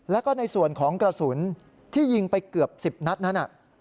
แล้วก็ในส่วนของกระสุนที่ยิงไปเกือบ๑๐นัดนั้น